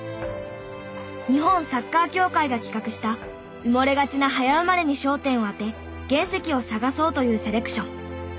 日本サッカー協会が企画した埋もれがちな早生まれに焦点を当て原石を探そうというセレクション。